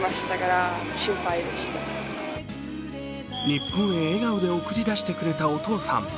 日本へ笑顔で送り出してくれたお父さん。